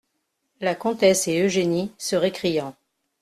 La Comtesse et Eugénie , se récriant.